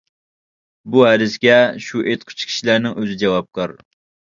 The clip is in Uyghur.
بۇ ھەدىسكە شۇ ئېيتقۇچى كىشىلەرنىڭ ئۆزى جاۋابكار.